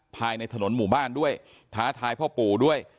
ภายในถนนหมู่บ้านด้วยท้าทายพ่อปู่ด้วย